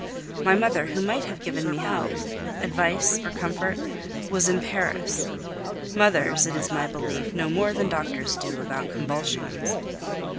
My mother, who might have given me help, advice, or comfort, was in Paris. Mothers, it is my belief, know more than doctors do about convulsions.